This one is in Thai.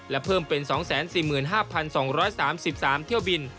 และเพิ่มเป็น๒๔๕๒๓๓เที่ยวบิน